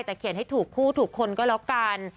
แต่เขียนให้ถูกคู่ถูกคนก็แล้วกัน